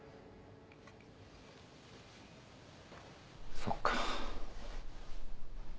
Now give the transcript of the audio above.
そっか。